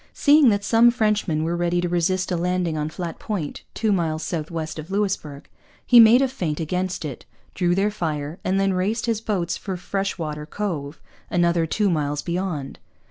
Seeing that some Frenchmen were ready to resist a landing on Flat Point, two miles south west of Louisbourg, he made a feint against it, drew their fire, and then raced his boats for Freshwater Cove, another two miles beyond.